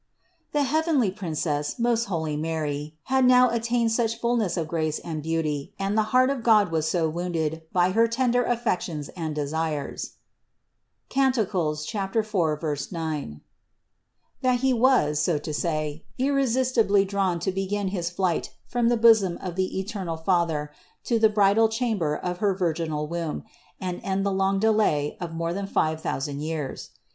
87. The heavenly Princess, most holy Mary, had now attained such fullness of grace and beauty and the heart of God was so wounded by her tender affections and desires (Cant. 4, 9), that He was so to say irresistibly drawn to begin his flight from the bosom of the eternal Father to the bridal chamber of her virginal womb and end the long delay of more than five thousand years.